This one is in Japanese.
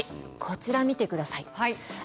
こちら見てください。